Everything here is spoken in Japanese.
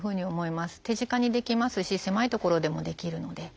手近にできますし狭い所でもできるので。